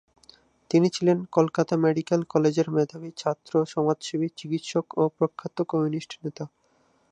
তিনি ছিলেন কলকাতা মেডিক্যাল কলেজের মেধাবী ছাত্র, সমাজসেবী, চিকিৎসক ও প্রখ্যাত কমিউনিস্ট নেতা।